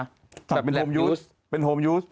อันนี้จะประมาณเราที่จะลับยูส